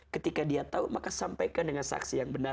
ketika dia tahu maka sampaikan dengan saksi yang benar